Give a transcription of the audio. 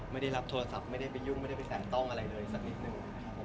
ไม่ได้รับโทรศัพท์ไม่ได้ไปยุ่งไม่ได้ไปแตะต้องอะไรเลยสักนิดหนึ่ง